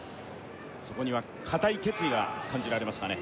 そこには固い決意が感じられましたね